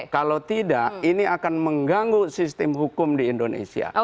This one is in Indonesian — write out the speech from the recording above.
kalau tidak ini akan mengganggu sistem hukum di indonesia